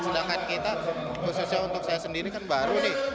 sedangkan kita khususnya untuk saya sendiri kan baru nih